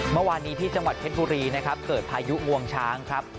เมื่อวานนี้ที่จังหวัดเพชรบุรีนะครับเกิดพายุงวงช้างครับ